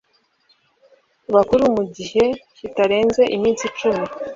Bukuru mu gihe kitarenze iminsi icumi